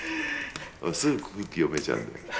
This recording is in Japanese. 俺すぐ空気読めちゃうんだよ。